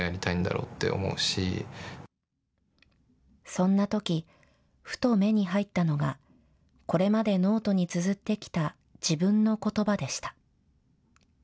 そんなとき、ふと目に入ったのがこれまでノートにつづってきた自分のことばでした。